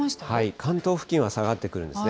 関東付近は下がってくるんですね。